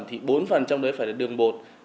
thì bốn phần trong đấy phải là đường bột